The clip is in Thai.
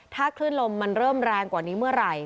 ถ้าคลื่นลมมันเริ่มแรงกว่านี้เมื่อไหร่